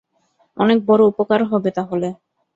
অনেক বড় উপকার হবে তাহলে।